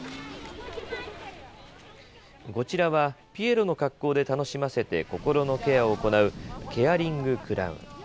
こちらは、ピエロの格好で楽しませて心のケアを行う、ケアリングクラウン。